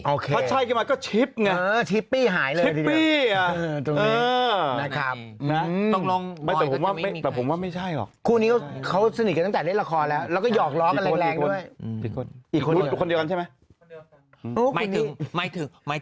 ถ้าใช่ขึ้นมาก็ชิปไงชิปปี้หายเลยทีเดียวตรงนี้นะครับต้องลองบอยก็จะไม่มีใคร